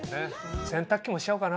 洗濯機もしちゃおうかな？